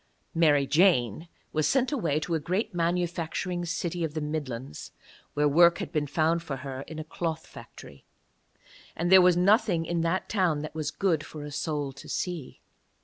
Mary Jane was sent away to a great manufacturing city of the Midlands, where work had been found for her in a cloth factory. And there was nothing in that town that was good for a soul to see.